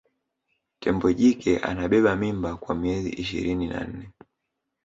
tembo jike anabeba mimba kwa miezi ishirini na nne